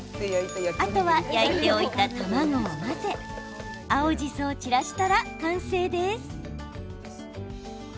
あとは焼いておいた卵を混ぜ青じそを散らしたら完成です。